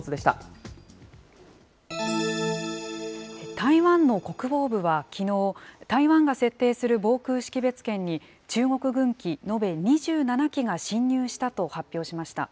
台湾の国防部はきのう、台湾が設定する防空識別圏に中国軍機延べ２７機が進入したと発表しました。